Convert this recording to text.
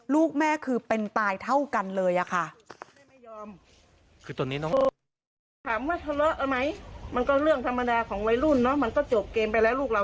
ลูกแม่คือเป็นตายเท่ากันเลยอะค่ะ